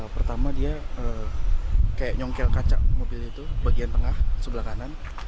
pertama dia kayak nyongkel kaca mobil itu bagian tengah sebelah kanan